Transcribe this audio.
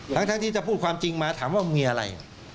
ทั้งที่จะพูดความจริงมาถามว่ามีอะไร